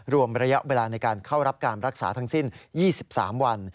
รวมระยะเวลาในการเข้ารับการรักษาทั้งสิ้น๒๓วัน